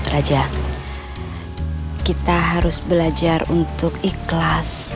raja kita harus belajar untuk ikhlas